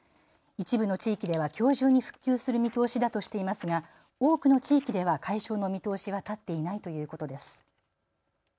一部の地域ではきょう中に復旧する見通しだとしていますが多くの地域では解消の見通しは立っていないということです。